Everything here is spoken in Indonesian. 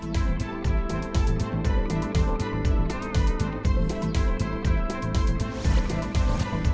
sebelum mendapatkan izin edar dari kementerian kesehatan